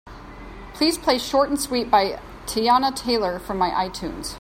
Please play Short And Sweet by Teyana Taylor from my itunes.